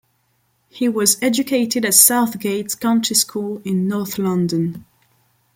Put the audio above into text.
He was educated at Southgate County School in North London.